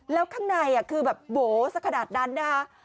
แล้วข้างในคือแบบโหสักขนาดนั้นนะคะ